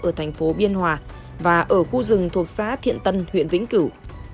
ở thành phố biên hòa và ở khu rừng thuộc xã thiện tân huyện vĩnh cửu